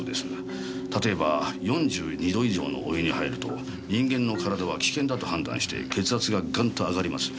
例えば４２度以上のお湯に入ると人間の体は危険だと判断して血圧がガンと上がります。